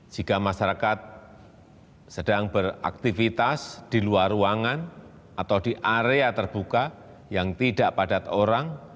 jika masyarakat sedang beraktivitas di luar ruangan atau di area terbuka yang tidak padat orang